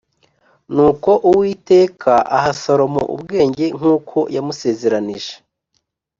Nuko Uwiteka aha Salomo ubwenge nk’uko yamusezeranije